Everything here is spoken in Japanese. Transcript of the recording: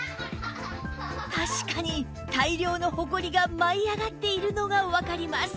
確かに大量のホコリが舞い上がっているのがわかります